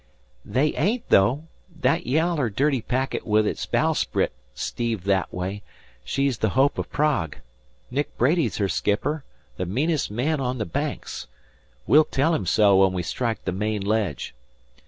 "They ain't, though. That yaller, dirty packet with her bowsprit steeved that way, she's the Hope of Prague. Nick Brady's her skipper, the meanest man on the Banks. We'll tell him so when we strike the Main Ledge.